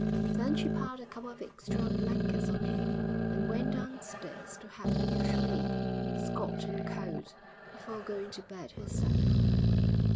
Then she piled a couple of extra blankets on him and went down stairs to have her usual nip, 'Scotch and cold,' before going to bed herself.